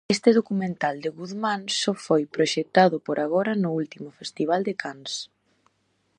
Este documental de Guzmán só foi proxectado por agora no último Festival de Cans.